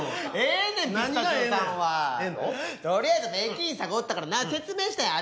とりあえず駅員さんがおったからな説明したんや